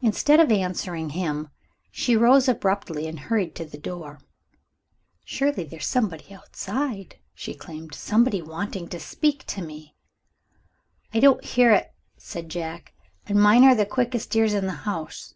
Instead of answering him, she rose abruptly, and hurried to the door. "Surely there's somebody outside," she exclaimed "somebody wanting to speak to me!" "I don't hear it," said Jack; "and mine are the quickest ears in the house."